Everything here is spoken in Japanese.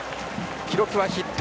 記録はヒット。